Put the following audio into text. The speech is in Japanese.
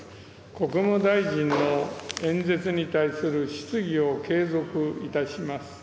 国務大臣の演説に対する質疑を継続いたします。